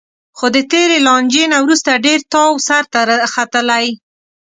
خو د تېرې لانجې نه وروسته ډېر تاو سرته ختلی